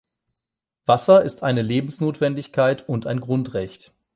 Wasser ist eine Lebensnotwendigkeit und ein Grundrecht.